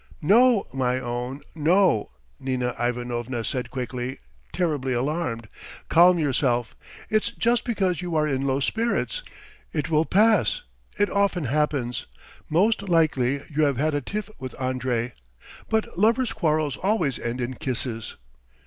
"No, my own, no!" Nina Ivanovna said quickly, terribly alarmed. "Calm yourself it's just because you are in low spirits. It will pass, it often happens. Most likely you have had a tiff with Andrey; but lovers' quarrels always end in kisses!"